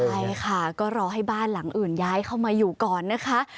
ใช่ค่ะก็รอให้บ้านหลังอื่นย้ายเข้ามาอยู่ก่อนนะคะ